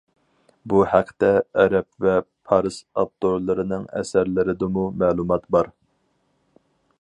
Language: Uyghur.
بۇ ھەقتە ئەرەب ۋە پارس ئاپتورلىرىنىڭ ئەسەرلىرىدىمۇ مەلۇمات بار.